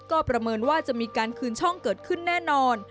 ก็ประเมินว่าจะมีการคืนช่องเกิดขึ้นแน่นอน